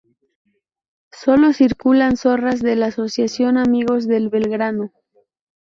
Sólo circulan zorras de la Asociación Amigos del Belgrano.